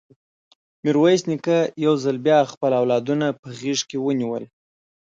ميرويس نيکه يو ځل بيا خپل اولادونه په غېږ کې ونيول.